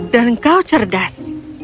dan kau cerdas